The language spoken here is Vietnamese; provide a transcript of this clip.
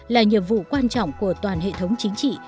là nhiệm vụ quan trọng của toàn hệ thống chính trị